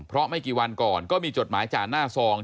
เพราะไม่กี่วันก่อนก็มีจดหมายจ่าหน้าซอง